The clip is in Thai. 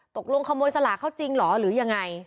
ตกลงขโมยสลากเขาจริงเหรอหรือยังไง